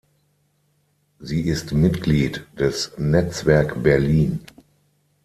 Sie ist Mitglied des Netzwerk Berlin.